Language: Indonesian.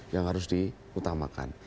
yang harus diutamakan